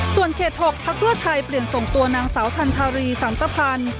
ส่วนเขต๖พักเพื่อไทยเปลี่ยนส่งตัวนางสาวทันทารีสังตภัณฑ์